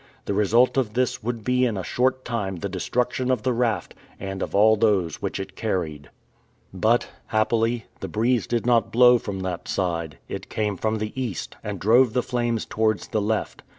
The result of this would be in a short time the destruction of the raft and of all those which it carried. But, happily, the breeze did not blow from that side. It came from the east, and drove the flames towards the left.